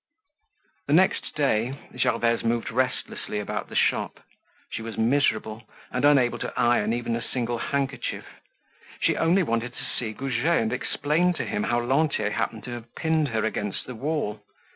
The next day Gervaise moved restlessly about the shop. She was miserable and unable to iron even a single handkerchief. She only wanted to see Goujet and explain to him how Lantier happened to have pinned her against the wall.